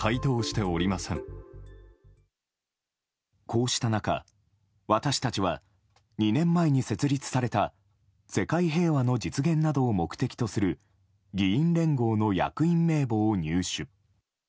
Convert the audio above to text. こうした中、私たちは２年前に設立された世界平和の実現などを目的とする議員連合の役員名簿を入手。